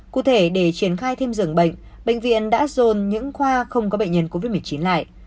cụ thể để triển khai thêm dường bệnh bệnh viện đã dồn những khoa không có bệnh nhân covid một mươi chín lại